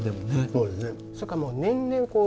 そうですね。